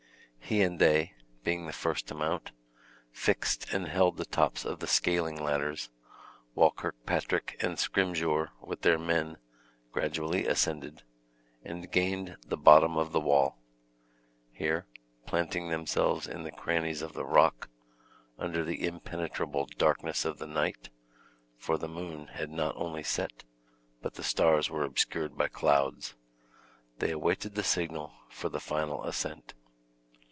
He and they, being the first to mount, fixed and held the tops of the scaling ladders, while Kirkpatrick and Scrymgeour, with their men, gradually ascended, and gained the bottom of the wall. Here, planting themselves in the crannies of the rock, under the impenetrable darkness of the night (for the moon had not only set, but the stars were obscured by clouds), they awaited the signal for the final ascent.